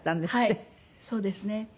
はいそうですね。